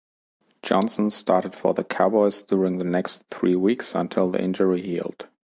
Johnson started for the Cowboys during the next three weeks until the injury healed.